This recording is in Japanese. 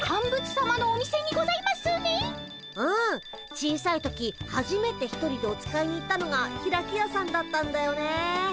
小さい時はじめて一人でお使いに行ったのがひらきやさんだったんだよね。